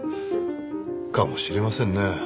かもしれませんね。